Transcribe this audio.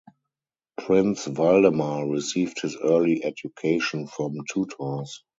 Prince Valdemar received his early education from tutors.